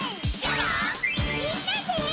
みんなで！